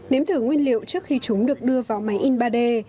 nếm thử nguyên liệu trước khi chúng được đưa vào máy in ba d